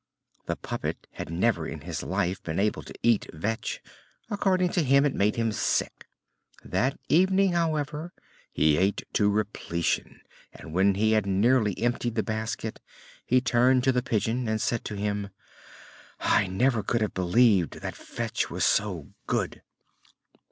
The puppet had never in his life been able to eat vetch: according to him it made him sick. That evening, however, he ate to repletion, and when he had nearly emptied the basket he turned to the Pigeon and said to him: "I never could have believed that vetch was so good!"